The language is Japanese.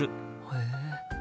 へえ。